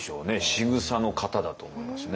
しぐさの型だと思いますね。